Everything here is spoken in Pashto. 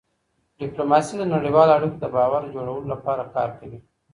ډيپلوماسي د نړیوالو اړیکو د باور جوړولو لپاره کار کوي.